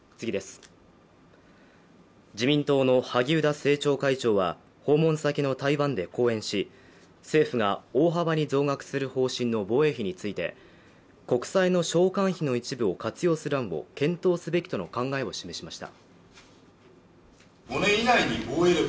自民党の萩生田政調会長は訪問先の台湾で講演し政府が大幅に増額する方針の防衛費について国債の償還費の一部を活用する案を検討すべきとの考えを示しました。